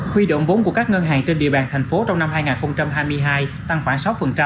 huy động vốn của các ngân hàng trên địa bàn thành phố trong năm hai nghìn hai mươi hai tăng khoảng sáu